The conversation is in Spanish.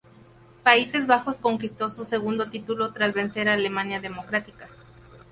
Países Bajos conquistó su segundo título tras vencer a Alemania Democrática.